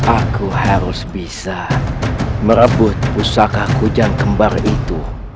aku harus bisa merebut pusaka kujang kembar itu